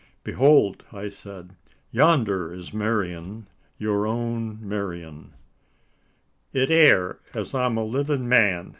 "Behold!" I said. "Yonder is Marian your own Marian!" "It air, as I'm a livin' man!